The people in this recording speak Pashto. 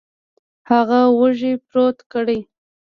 هغه اوږې پورته کړې